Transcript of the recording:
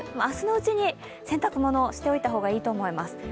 明日のうちに洗濯物、しておいた方がいいと思います。